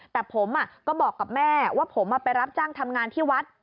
แต่ผมก็บอกกับแม่ว่าผมไปรับจ้างทำงานที่วัด